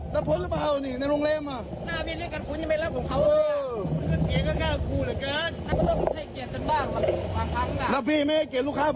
จะลูกค้าเรียกไปผมไม่กลัว